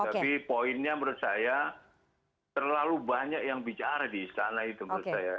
tapi poinnya menurut saya terlalu banyak yang bicara di istana itu menurut saya